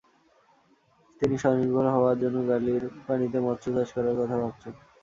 তিনি স্বনির্ভর হওয়ার জন্য গলির পানিতে মৎস্য চাষ করার কথা ভাবছেন।